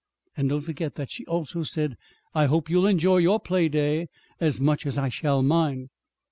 And don't forget that she also said: 'I hope you'll enjoy your playday as much as I shall mine.'